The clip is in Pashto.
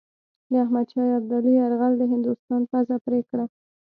د احمدشاه ابدالي یرغل د هندوستان پزه پرې کړه.